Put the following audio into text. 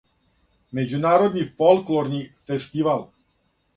Међународни фолклорни фестивал.